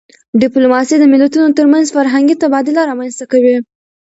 ډيپلوماسي د ملتونو ترمنځ فرهنګي تبادله رامنځته کوي.